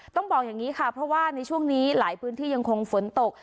ต้องบอกอย่างนี้ค่ะเพราะว่าในช่วงนี้หลายพื้นที่ยังคงฝนตก